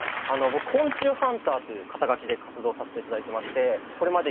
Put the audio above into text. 僕昆虫ハンターという肩書で活動させていただいてましてこれまでに。